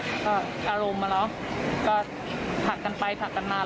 ก็ผลักกันไปผลักกันมาแล้วก็ต่อยกันต่อยกันเขามี๓คนเขาก็มาลุงที่รอพอ